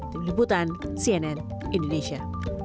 tim liputan cnn indonesia